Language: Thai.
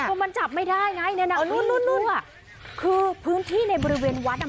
เพราะมันจับไม่ได้ไงเนี่ยนะเอานู่นนู่นอ่ะคือพื้นที่ในบริเวณวัดอ่ะ